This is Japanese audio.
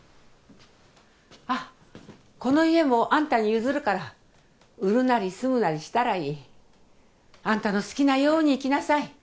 あっこの家もあんたに譲るから売るなり住むなりしたらいい。あんたの好きなように生きなさい。